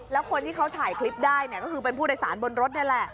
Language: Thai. แล้วคนที่เขาถ่ายคลิปได้เนี่ยก็คือเป็นผู้โดยสารบนรถนี่แหละ